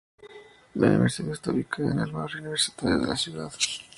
La Universidad está ubicada en el Barrio Universitario de la ciudad.